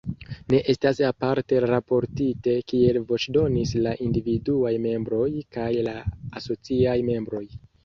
Ne estas aparte raportite, kiel voĉdonis la individuaj membroj kaj la asociaj membroj.